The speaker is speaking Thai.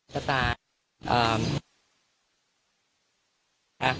สามสอง